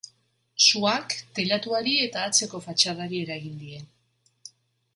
Suak teilatuari eta atzeko fatxadari eragin die.